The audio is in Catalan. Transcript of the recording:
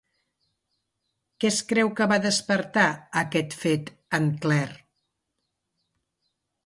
Què es creu que va despertar aquest fet en Claire?